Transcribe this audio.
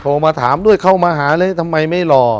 มาถามด้วยเข้ามาหาเลยทำไมไม่รอ